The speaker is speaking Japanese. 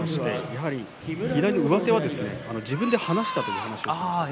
やはり左上手は自分が離したという話をしていました。